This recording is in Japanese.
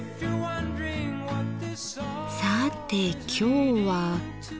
さて今日は。